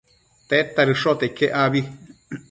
tedta dëshote iquec abi?